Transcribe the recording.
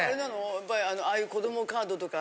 やっぱりああいう子どもカードとか。